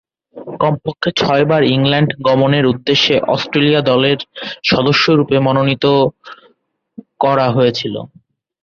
কমপক্ষে ছয়বার ইংল্যান্ড গমনের উদ্দেশ্যে অস্ট্রেলিয়া দলের সদস্যরূপে মনোনীত করা হয়েছিল।